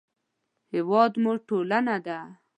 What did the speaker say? هېواد مو ټولنه ده